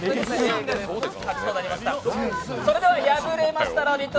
それでは敗れましたラヴィット！